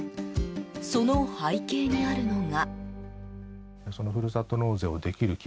その背景にあるのが。